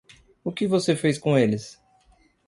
O que você fez com eles?